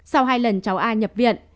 sau hai lần cháu a nhập viện